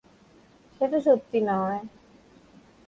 সেটা সত্যি নয়।